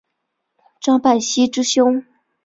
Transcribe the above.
张百熙之兄。